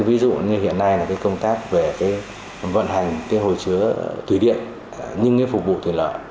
ví dụ như hiện nay là cái công tác về cái vận hành cái hồi chứa thủy điện những cái phục vụ thủy lợi